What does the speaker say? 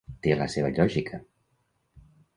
Té la seva lògica.